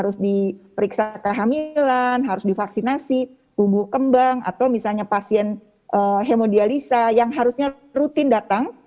jadi kalau misalnya anak yang harus diperiksa kehamilan harus divaksinasi tubuh kembang atau misalnya pasien hemodialisa yang harusnya rutin datang